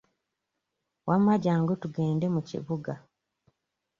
Wamma jjangu tugende mu kibuga.